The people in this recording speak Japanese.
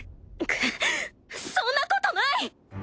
クそんなことない！